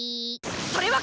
それは鍬！